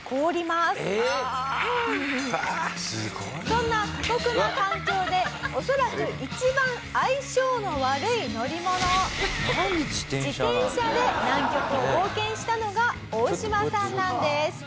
そんな過酷な環境で恐らく一番相性の悪い乗り物自転車で南極を冒険したのがオオシマさんなんです。